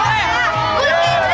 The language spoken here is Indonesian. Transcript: kul bikin sih